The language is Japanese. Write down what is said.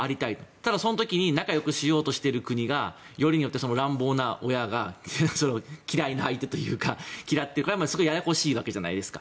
ただその時に仲よくしようとしている国がよりによって乱暴な親が嫌いな相手というか嫌っているからこれはすごいややこしいわけじゃないですか。